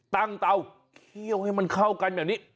เตาเคี่ยวให้มันเข้ากันแบบนี้